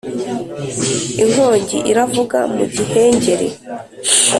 Inkongi iravuga mu gihengeri